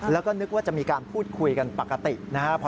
แล้วก็นึกว่าจะมีการพูดคุยกันปกตินะครับ